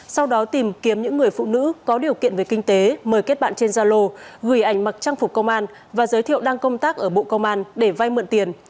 sau đó tìm kiếm những người phụ nữ có điều kiện về kinh tế mời kết bạn trên gia lô gửi ảnh mặc trang phục công an và giới thiệu đang công tác ở bộ công an để vay mượn tiền